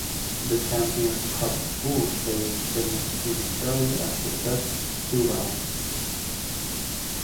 The Champions Cup pool stage finished prematurely after just two rounds.